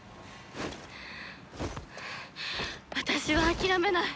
私は諦めない。